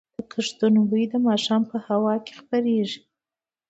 د کښتونو بوی د ماښام په هوا کې خپرېږي.